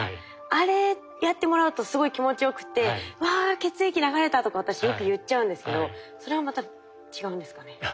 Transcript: あれやってもらうとすごい気持ちよくて「わあ血液流れた」とか私よく言っちゃうんですけどそれはまた違うんですかね。